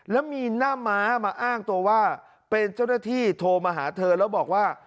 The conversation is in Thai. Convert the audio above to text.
แล้วมีหน้าม้ามาอ้างตัวว่าเป็นเจ้าหน้าที่โทรมาหาเธอแล้วบอกว่า